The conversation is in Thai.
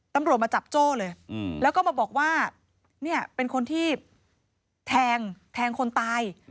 ตำรวจมาจับโจ้เลยแล้วก็มาบอกว่าเนี่ยเป็นคนที่แทงแทงคนตาย